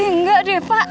enggak deh pak